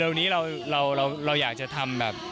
นี้เราอยากจะทำแบบ